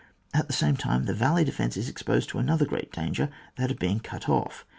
At the same time, the valley defence is exposed to another great danger, that of being cut off.